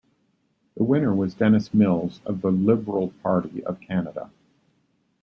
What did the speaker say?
The winner was Dennis Mills of the Liberal Party of Canada.